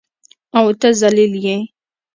او ته ذلیل یې.